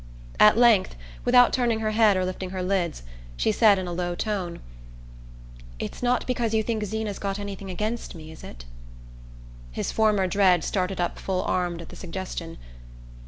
At length, without turning her head or lifting her lids, she said in a low tone: "It's not because you think Zeena's got anything against me, is it?" His former dread started up full armed at the suggestion.